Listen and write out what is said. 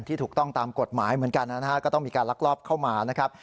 ถูกต้องตามกฎหมายเหมือนกันนะฮะก็ต้องมีการลักลอบเข้ามานะครับ